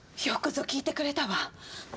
よくぞ聞いてくれたわ。